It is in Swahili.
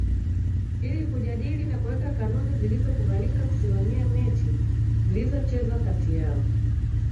ili kujadili na kuweka kanuni zilizokubalika kusimamia mechi zilizochezwa kati yao